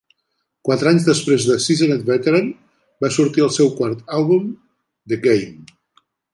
Quatre anys després de "Seasoned Veteran", va sortir el seu quart àlbum, "The Game".